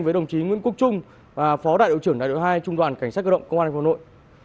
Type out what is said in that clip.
với đồng chí nguyễn quốc trung phó đại đội trưởng đại đội hai trung đoàn cảnh sát cơ động công an thánh phục hồn nội